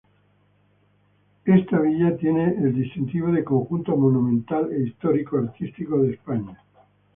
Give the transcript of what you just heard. Esta Villa tiene el distintivo de "Conjunto Monumental e Histórico Artístico de España".